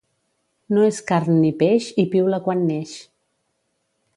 No és carn ni peix i piula quan neix.